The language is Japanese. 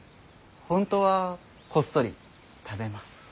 本当はこっそり食べます。